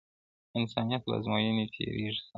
انسانيت له ازموينې تېريږي سخت,